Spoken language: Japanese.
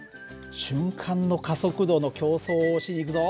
瞬間の加速度の競争をしに行くぞ。